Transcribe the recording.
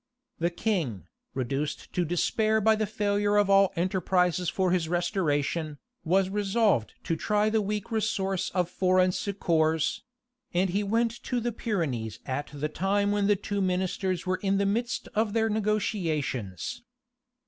The king, reduced to despair by the failure of all enterprises for his restoration, was resolved to try the weak resource of foreign succors; and he went to the Pyrenees at the time when the two ministers were in the midst of their negotiations.